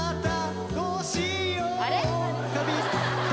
・あれ？